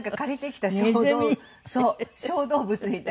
小動物みたいになって。